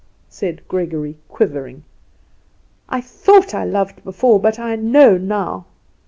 said Gregory quivering. "I thought I loved before, but I know now!